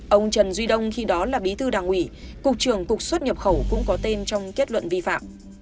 ông trần duy đông khi đó là bí thư đảng ủy cục trưởng cục xuất nhập khẩu cũng có tên trong kết luận vi phạm